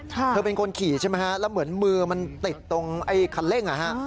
เธอเป็นคนขี่ใช่ไหมแล้วเหมือนมือมันติดตรงคันเร่ง